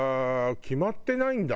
決まってないんだ。